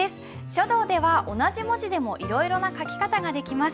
書道では同じ文字でもいろいろな書き方ができます。